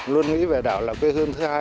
luôn nghĩ về đảo là quê hương thứ hai